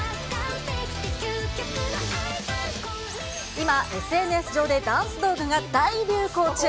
今、ＳＮＳ上でダンス動画が大流行中。